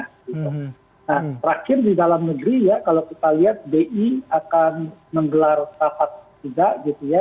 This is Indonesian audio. nah terakhir di dalam negeri ya kalau kita lihat bi akan menggelar rapat juga gitu ya